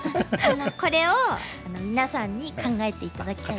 これを皆さんに考えて頂きたいです。